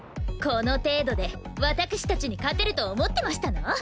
この程度で私たちに勝てると思ってましたの？